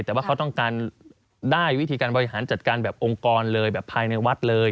แต่ว่าเขาต้องการได้วิธีการบริหารจัดการแบบองค์กรเลยแบบภายในวัดเลย